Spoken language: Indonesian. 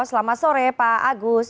selamat sore pak agus